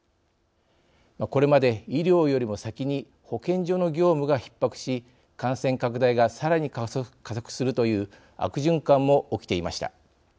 これまで、医療よりも先に保健所の業務がひっ迫し感染拡大がさらに加速するという悪循環も起きていました。